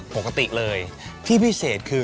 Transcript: การปรักแบบนี้คือคุณก้ามปรักผ้ามาสักพัก